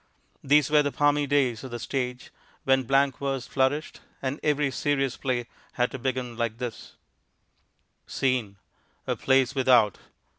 These were the palmy days of the stage, when blank verse flourished, and every serious play had to begin like this: _Scene. A place without.